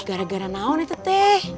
gara gara naon itu teh